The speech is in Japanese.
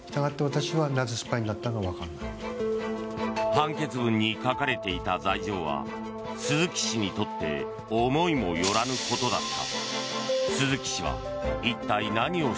判決文に書かれていた罪状は鈴木氏にとって思いもよらぬことだった。